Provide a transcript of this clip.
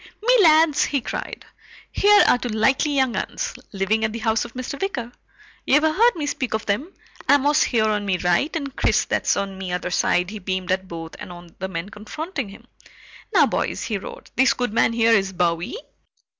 "Me lads!" he cried, "Here are two likely young 'uns, living at the house of Mr. Wicker. Ye've heard me speak of them. Amos, here, on me right, and Chris, that's on me other side." He beamed at both and on the men confronting him. "Now boys," he roared, "this good man here is Bowie."